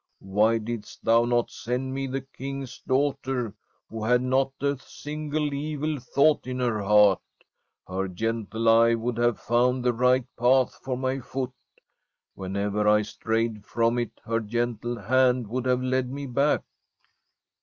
Why didstThou not send me the King's daughter, who had not a single evil thought in her heart ? Her gentle eye would have found the right path for my foot. Whenever I strayed from it her gentle hand would have led me back.'